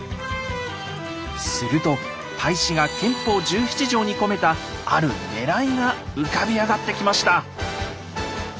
すると太子が憲法十七条に込めた「あるねらい」が浮かび上がってきました！